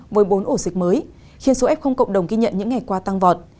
với bốn ổ dịch mới khiến số f cộng đồng ghi nhận những ngày qua tăng vọt